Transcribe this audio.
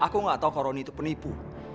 aku gak tahu kalau roni itu penipu